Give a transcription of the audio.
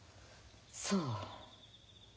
そう。